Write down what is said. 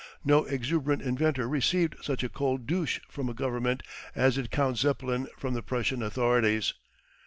No exuberant inventor received such a cold douche from a Government as did Count Zeppelin from the Prussian authorities.